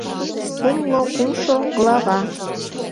Кумло кумшо глава